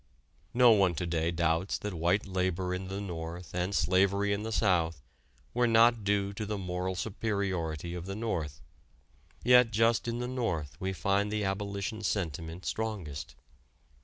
'" No one to day doubts that white labor in the North and slavery in the South were not due to the moral superiority of the North. Yet just in the North we find the abolition sentiment strongest.